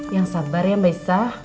yang sabar ya mbak isa